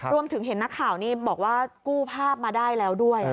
เห็นนักข่าวนี่บอกว่ากู้ภาพมาได้แล้วด้วย